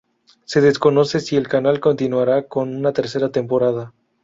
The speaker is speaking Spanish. Se desconoce si el canal continuará con una tercera temporada.